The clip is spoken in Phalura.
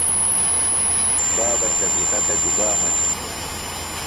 بابہ شفیقہ تھےۡ گُبا منِیتوۡ؟